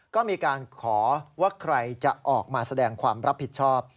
ก็มีการขอว่าใครจะออกมาแสดงความรับผิดชอบ